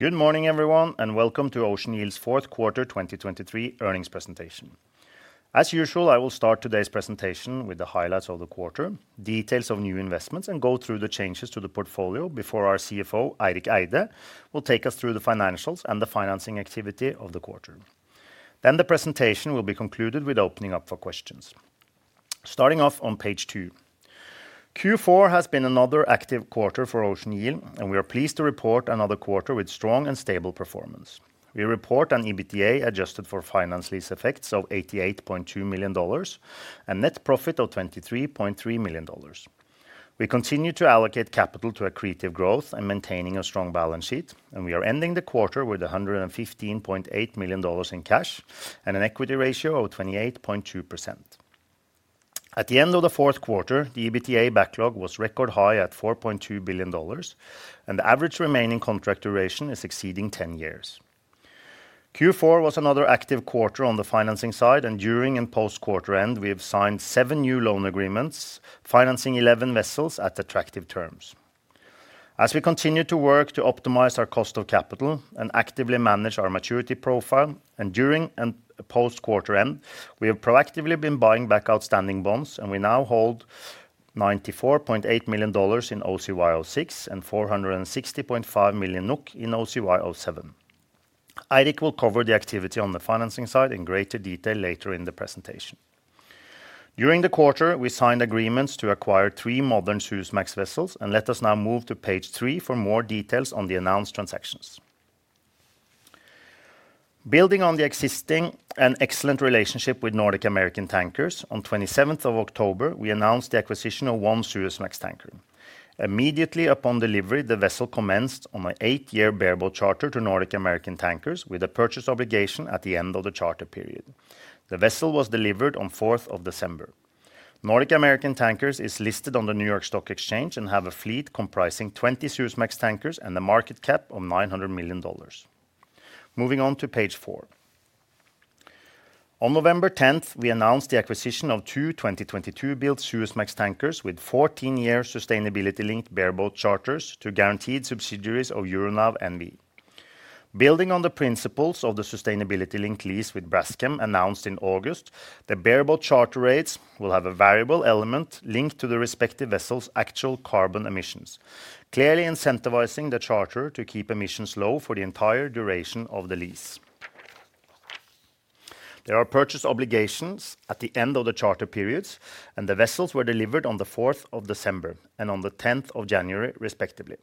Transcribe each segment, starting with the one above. Good morning, everyone, and welcome to Ocean Yield's Fourth Quarter 2023 Earnings Presentation. As usual, I will start today's presentation with the highlights of the quarter, details of new investments, and go through the changes to the portfolio before our CFO, Eirik Eide, will take us through the financials and the financing activity of the quarter. Then the presentation will be concluded with opening up for questions. Starting off on page two. Q4 has been another active quarter for Ocean Yield, and we are pleased to report another quarter with strong and stable performance. We report an EBITDA adjusted for finance lease effects of $88.2 million and net profit of $23.3 million. We continue to allocate capital to accretive growth and maintaining a strong balance sheet, and we are ending the quarter with $115.8 million in cash and an equity ratio of 28.2%. At the end of the fourth quarter, the EBITDA backlog was record high at $4.2 billion, and the average remaining contract duration is exceeding 10 years. Q4 was another active quarter on the financing side, and during and post-quarter end, we have signed seven new loan agreements, financing 11 vessels at attractive terms. As we continue to work to optimize our cost of capital and actively manage our maturity profile, and during and post-quarter end, we have proactively been buying back outstanding bonds, and we now hold $94.8 million in OCY06 and 460.5 million NOK in OCY07. Eirik will cover the activity on the financing side in greater detail later in the presentation. During the quarter, we signed agreements to acquire three modern Suezmax vessels, and let us now move to page three for more details on the announced transactions. Building on the existing and excellent relationship with Nordic American Tankers, on 27th of October, we announced the acquisition of one Suezmax tanker. Immediately upon delivery, the vessel commenced on an eight-year bareboat charter to Nordic American Tankers with a purchase obligation at the end of the charter period. The vessel was delivered on 4th of December. Nordic American Tankers is listed on the New York Stock Exchange and have a fleet comprising 20 Suezmax tankers and a market cap of $900 million. Moving on to page four. On November 10, we announced the acquisition of two 2022-built Suezmax tankers with 14-year sustainability-linked bareboat charters to guaranteed subsidiaries of Euronav NV. Building on the principles of the sustainability-linked lease with Braskem, announced in August, the bareboat charter rates will have a variable element linked to the respective vessel's actual carbon emissions, clearly incentivizing the charter to keep emissions low for the entire duration of the lease. There are purchase obligations at the end of the charter periods, and the vessels were delivered on the fourth of December and on the tenth of January, respectively.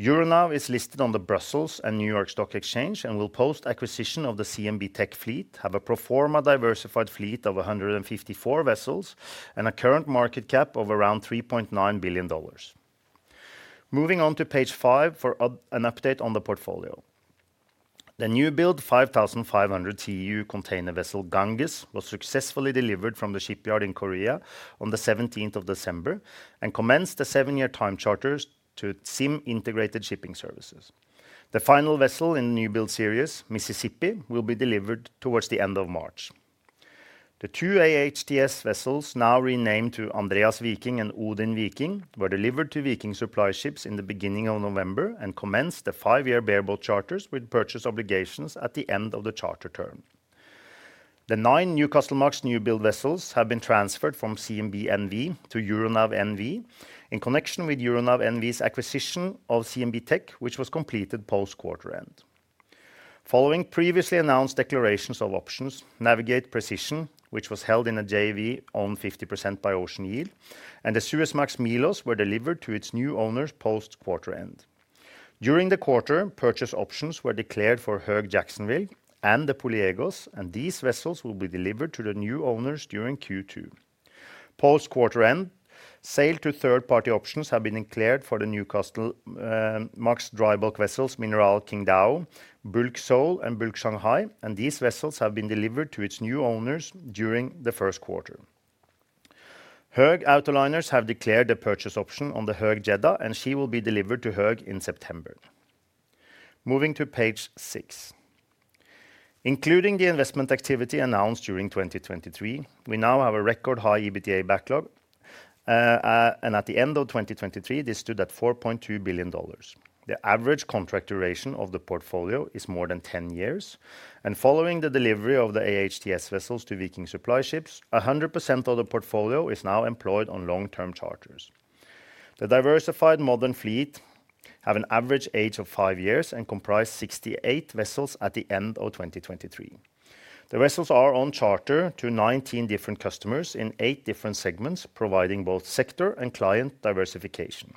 Euronav is listed on the Brussels and New York Stock Exchange and will, post-acquisition of the CMB.TECH fleet, have a pro forma diversified fleet of 154 vessels and a current market cap of around $3.9 billion. Moving on to page five for an update on the portfolio. The newbuild 5,500 TEU container vessel, Ganges, was successfully delivered from the shipyard in Korea on the 17th of December and commenced the seven-year time charter to ZIM Integrated Shipping Services. The final vessel in newbuild series, Mississippi, will be delivered towards the end of March. The two AHTS vessels, now renamed to Andreas Viking and Odin Viking, were delivered to Viking Supply Ships in the beginning of November and commenced the five-year bareboat charters with purchase obligations at the end of the charter term. The nine new Newcastlemax newbuild vessels have been transferred from CMB NV to Euronav NV in connection with Euronav NV's acquisition of CMB.TECH, which was completed post-quarter end. Following previously announced declarations of options, Navig8 Precision, which was held in a JV owned 50% by Ocean Yield, and the Suezmax Milos were delivered to its new owners post-quarter end. During the quarter, purchase options were declared for Höegh Jacksonville and the Poliegos, and these vessels will be delivered to the new owners during Q2. Post-quarter end, sale to third-party options have been declared for the Newcastlemax dry bulk vessels, Mineral Qingdao, Bulk Seoul, and Bulk Shanghai, and these vessels have been delivered to its new owners during the first quarter. Höegh Autoliners have declared a purchase option on the Höegh Jeddah, and she will be delivered to Höegh in September. Moving to page six. Including the investment activity announced during 2023, we now have a record high EBITDA backlog, and at the end of 2023, this stood at $4.2 billion. The average contract duration of the portfolio is more than 10 years, and following the delivery of the AHTS vessels to Viking Supply Ships, 100% of the portfolio is now employed on long-term charters. The diversified modern fleet have an average age of five years and comprise 68 vessels at the end of 2023. The vessels are on charter to 19 different customers in eight different segments, providing both sector and client diversification.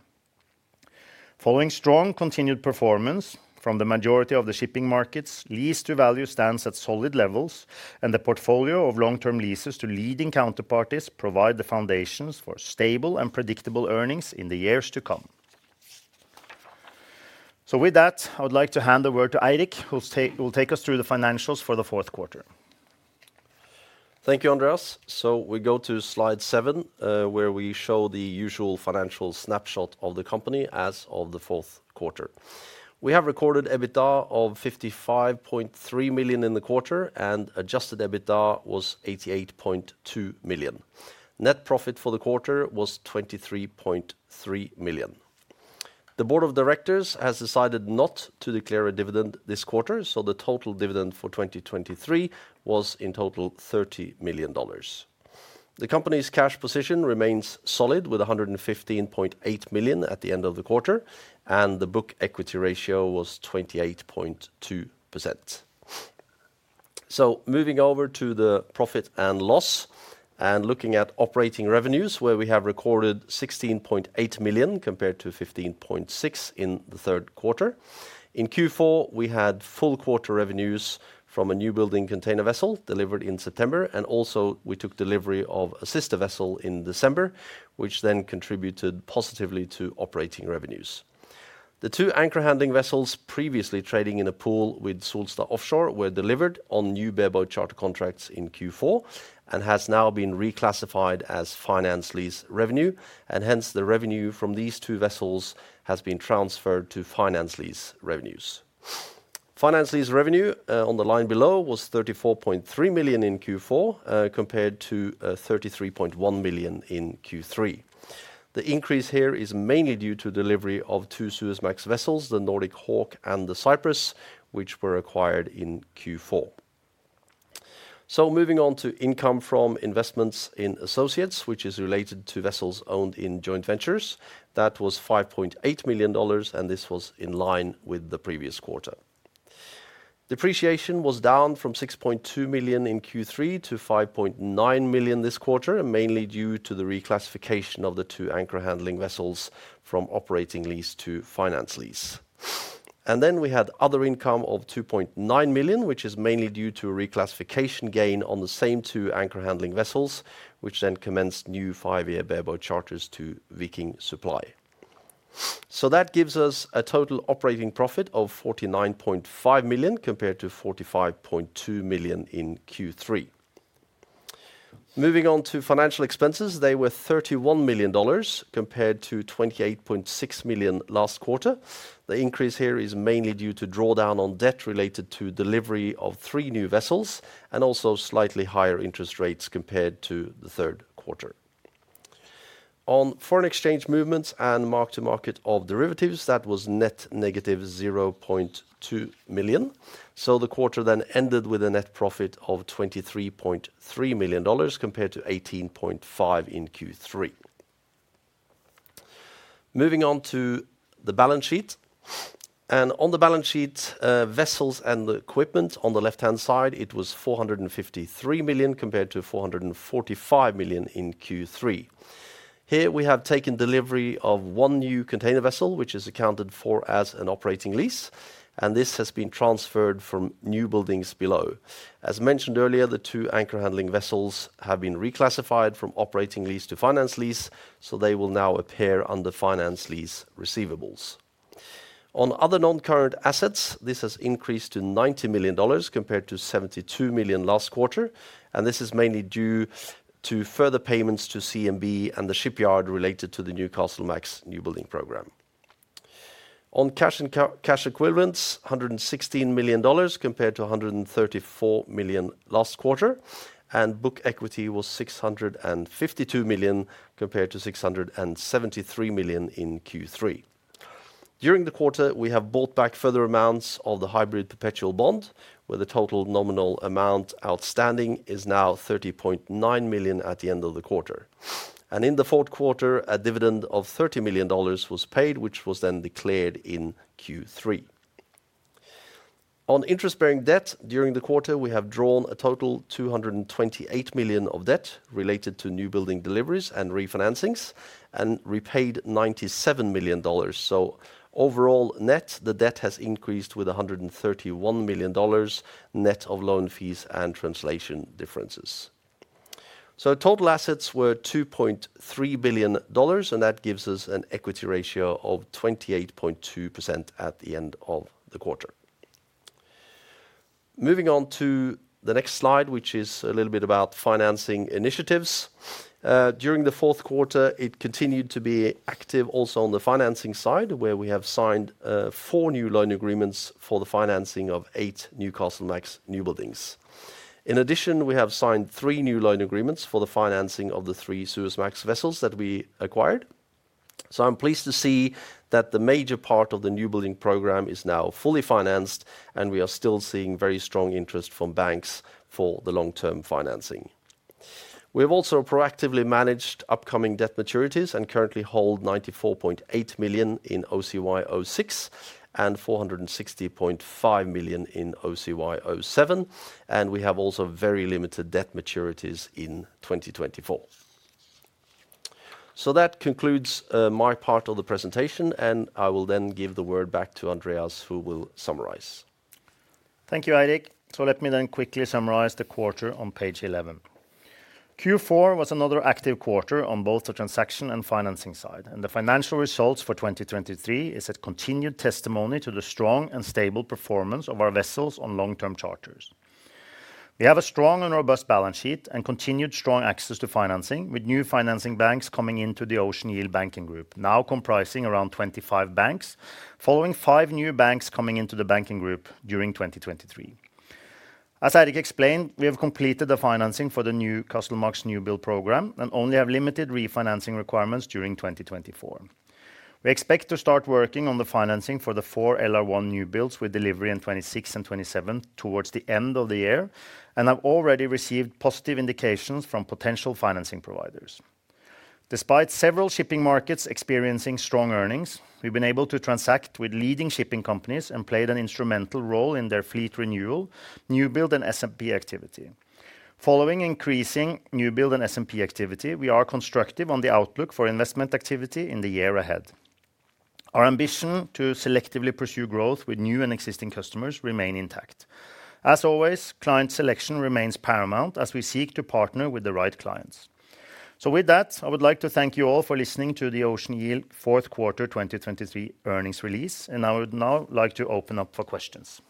Following strong continued performance from the majority of the shipping markets, lease to value stands at solid levels, and the portfolio of long-term leases to leading counterparties provide the foundations for stable and predictable earnings in the years to come. So with that, I would like to hand the word to Eirik, who will take us through the financials for the fourth quarter. Thank you, Andreas. So we go to slide seven, where we show the usual financial snapshot of the company as of the fourth quarter. We have recorded EBITDA of $55.3 million in the quarter, and adjusted EBITDA was $88.2 million. Net profit for the quarter was $23.3 million. The Board of Directors has decided not to declare a dividend this quarter, so the total dividend for 2023 was in total $30 million. The company's cash position remains solid, with $115.8 million at the end of the quarter, and the book equity ratio was 28.2%. So moving over to the profit and loss, and looking at operating revenues, where we have recorded $16.8 million, compared to $15.6 million in the third quarter. In Q4, we had full quarter revenues from a new building container vessel delivered in September, and also we took delivery of a sister vessel in December, which then contributed positively to operating revenues. The two anchor handling vessels previously trading in a pool with Solstad Offshore were delivered on new bareboat charter contracts in Q4, and has now been reclassified as finance lease revenue, and hence the revenue from these two vessels has been transferred to finance lease revenues. Finance lease revenue on the line below was $34.3 million in Q4 compared to $33.1 million in Q3. The increase here is mainly due to delivery of two Suezmax vessels, the Nordic Hawk and the Cyprus, which were acquired in Q4. So moving on to income from investments in associates, which is related to vessels owned in joint ventures. That was $5.8 million, and this was in line with the previous quarter. Depreciation was down from $6.2 million in Q3 to $5.9 million this quarter, mainly due to the reclassification of the two anchor handling vessels from operating lease to finance lease. And then we had other income of $2.9 million, which is mainly due to a reclassification gain on the same two anchor handling vessels, which then commenced new five-year bareboat charters to Viking Supply. So that gives us a total operating profit of $49.5 million, compared to $45.2 million in Q3. Moving on to financial expenses, they were $31 million, compared to $28.6 million last quarter. The increase here is mainly due to drawdown on debt related to delivery of three new vessels, and also slightly higher interest rates compared to the third quarter. On foreign exchange movements and mark-to-market of derivatives, that was net -$0.2 million. So the quarter then ended with a net profit of $23.3 million, compared to $18.5 million in Q3. Moving on to the balance sheet. On the balance sheet, vessels and the equipment on the left-hand side, it was $453 million, compared to $445 million in Q3. Here, we have taken delivery of one new container vessel, which is accounted for as an operating lease, and this has been transferred from new buildings below. As mentioned earlier, the two anchor handling vessels have been reclassified from operating lease to finance lease, so they will now appear under finance lease receivables. On other non-current assets, this has increased to $90 million, compared to $72 million last quarter, and this is mainly due to further payments to CMB and the shipyard related to the Newcastlemax new building program. On cash and cash equivalents, $116 million, compared to $134 million last quarter, and book equity was $652 million, compared to $673 million in Q3. During the quarter, we have bought back further amounts of the hybrid perpetual bond, where the total nominal amount outstanding is now $30.9 million at the end of the quarter. In the fourth quarter, a dividend of $30 million was paid, which was then declared in Q3. On interest-bearing debt, during the quarter, we have drawn a total $228 million of debt related to newbuilding deliveries and refinancings, and repaid $97 million. So overall, net, the debt has increased with $131 million, net of loan fees and translation differences. So total assets were $2.3 billion, and that gives us an equity ratio of 28.2% at the end of the quarter. Moving on to the next slide, which is a little bit about financing initiatives. During the fourth quarter, it continued to be active also on the financing side, where we have signed four new loan agreements for the financing of eight new Newcastlemax newbuildings. In addition, we have signed three new loan agreements for the financing of the three Suezmax vessels that we acquired. So I'm pleased to see that the major part of the new building program is now fully financed, and we are still seeing very strong interest from banks for the long-term financing. We have also proactively managed upcoming debt maturities and currently hold $94.8 million in OCY 2026 and $460.5 million in OCY 2027, and we have also very limited debt maturities in 2024. So that concludes my part of the presentation, and I will then give the word back to Andreas, who will summarize. Thank you, Eirik. So let me then quickly summarize the quarter on page 11. Q4 was another active quarter on both the transaction and financing side, and the financial results for 2023 is a continued testimony to the strong and stable performance of our vessels on long-term charters. We have a strong and robust balance sheet and continued strong access to financing, with new financing banks coming into the Ocean Yield banking group, now comprising around 25 banks, following five new banks coming into the banking group during 2023. As Eirik explained, we have completed the financing for the Newcastlemax new build program and only have limited refinancing requirements during 2024. We expect to start working on the financing for the four LR1 new builds, with delivery in 2026 and 2027, towards the end of the year, and have already received positive indications from potential financing providers. Despite several shipping markets experiencing strong earnings, we've been able to transact with leading shipping companies and played an instrumental role in their fleet renewal, new build and S&P activity. Following increasing new build and S&P activity, we are constructive on the outlook for investment activity in the year ahead. Our ambition to selectively pursue growth with new and existing customers remain intact. As always, client selection remains paramount as we seek to partner with the right clients. With that, I would like to thank you all for listening to the Ocean Yield fourth quarter 2023 earnings release, and I would now like to open up for questions.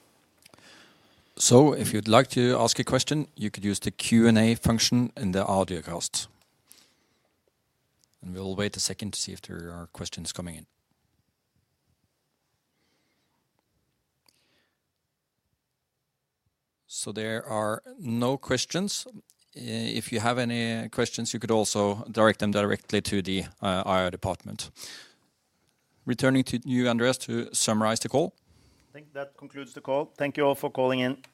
If you'd like to ask a question, you could use the Q&A function in the audio cast. We'll wait a second to see if there are questions coming in. There are no questions. If you have any questions, you could also direct them directly to the IR department. Returning to you, Andreas, to summarize the call. I think that concludes the call. Thank you all for calling in.